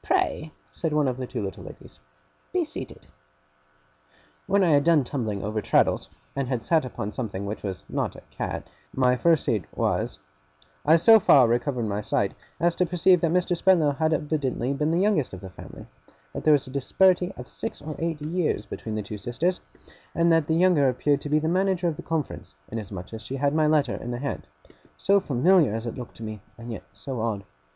'Pray,' said one of the two little ladies, 'be seated.' When I had done tumbling over Traddles, and had sat upon something which was not a cat my first seat was I so far recovered my sight, as to perceive that Mr. Spenlow had evidently been the youngest of the family; that there was a disparity of six or eight years between the two sisters; and that the younger appeared to be the manager of the conference, inasmuch as she had my letter in her hand so familiar as it looked to me, and yet so odd!